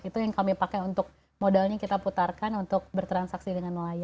itu yang kami pakai untuk modalnya kita putarkan untuk bertransaksi dengan nelayan